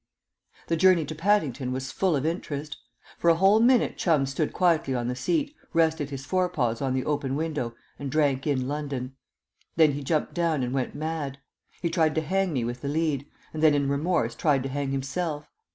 The journey to Paddington was full of interest. For a whole minute Chum stood quietly on the seat, rested his fore paws on the open window and drank in London. Then he jumped down and went mad. He tried to hang me with the lead, and then in remorse tried to hang himself.